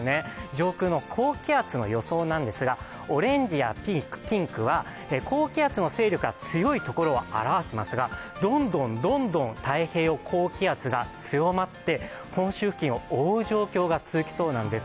上空の高気圧の予想なんですがオレンジやピンクは高気圧の勢力が強いところを表してますがどんどんどんどん太平洋高気圧が強まって本州付近を覆う状況が続きそうなんです。